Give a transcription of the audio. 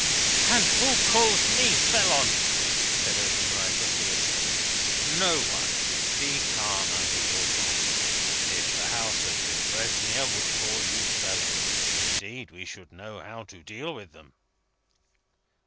"And who calls me felon?" said Obenreizer, fiercely. "No one. Be calm under your wrongs. If the House of Defresnier would call you felon, indeed, we should know how to deal with them."